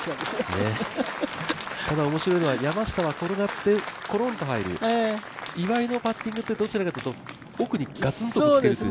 ただ面白いのが、山下は転がってコロンと入る、岩井のパッティングってどちらかというと奥にガツンとぶつける。